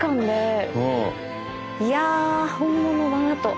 いや本物だなと。